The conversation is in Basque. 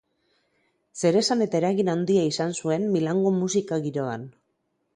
Zeresan eta eragin handia izan zuen Milango musika-giroan.